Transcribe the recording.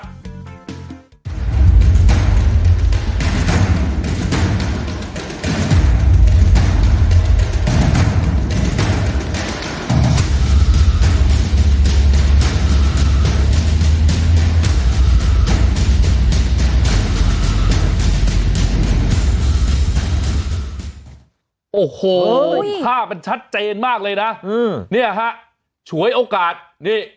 ก็โอ้โห้ค่ะมันชัดเจนมากเลยนะอืมเนี้ยฮะฝนโอกาสนี่